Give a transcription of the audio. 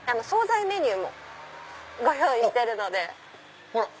総菜メニューもご用意してるので。